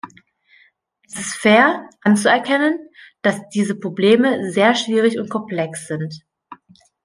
Es ist fair, anzuerkennen, dass diese Probleme sehr schwierig und komplex sind.